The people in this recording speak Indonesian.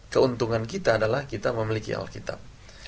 keuntungan kita adalah kita memiliki alkitab